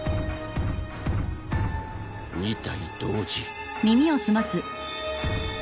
２体同時。